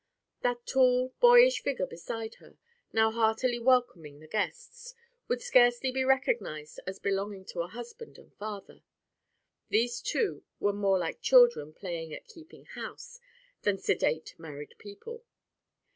That tall, boyish figure beside her, now heartily welcoming the guests, would scarcely be recognized as belonging to a husband and father. These two were more like children playing at "keeping house" than sedate married people.